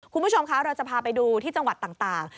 คุณผู้ชมคะเราจะพาไปดูที่จังหวัดต่าง